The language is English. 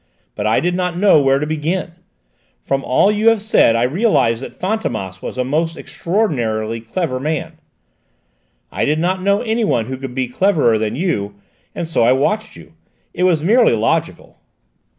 But I did not know where to begin. From all you have said I realised that Fantômas was a most extraordinarily clever man; I did not know anyone who could be cleverer than you; and so I watched you! It was merely logical!"